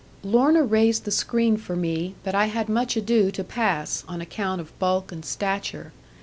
Lorna raised the screen for me, but I had much ado to pass, on account of bulk and stature.